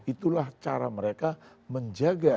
itulah cara mereka menjaga